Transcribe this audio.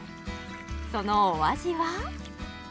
そのお味は？